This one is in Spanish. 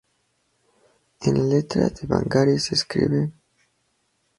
En letra devanagari se escribe Tara.